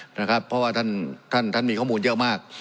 เพราะว่าท่านมีข้อมูลเยอะมาก